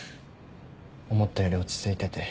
思ったより落ち着いてて。